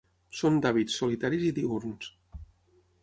Són d'hàbits solitaris i diürns.